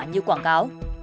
như quảng cáo